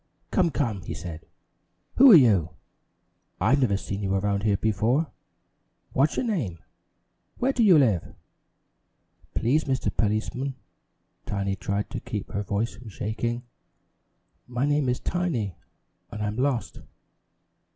"Come, come!" he said. "Who are you? I've never seen you around here before! What's your name? Where do you live?" "Please, Mr. Policeman" Tiny tried to keep her voice from shaking "my name is Tiny and I'm lost."